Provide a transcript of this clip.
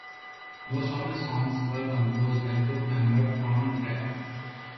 Most of the songs were composed by group member Trond Graff.